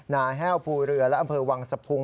แห้วภูเรือและอำเภอวังสะพุง